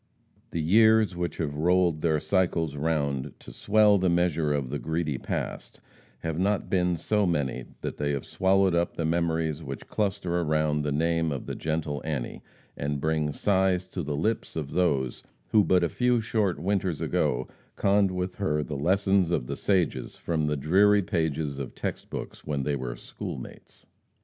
The years which have rolled their cycles round to swell the measure of the greedy past, have not been so many that they have swallowed up the memories which cluster around the name of the gentle Annie, and bring sighs to the lips of those who but a few short winters ago conned with her the lessons of the sages from the dreary pages of text books when they were schoolmates.